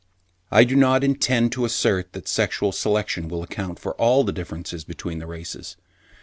I do not intend to assert that sexual selection will account for all the differences between the races.